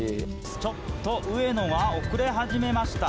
ちょっと上野が遅れ始めました。